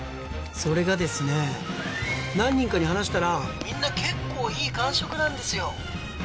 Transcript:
それがですね何人かに話したらみんな結構いい感触なんですよ